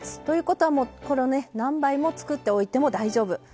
ということはこのね何倍も作っておいても大丈夫。